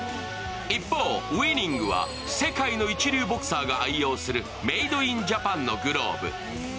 一方、ウイニングは世界の一流ボクサーが愛用するメイド・イン・ジャパンのグローブ。